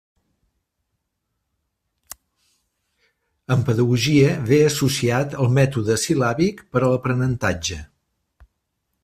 En pedagogia ve associat al mètode sil·làbic per a l'aprenentatge.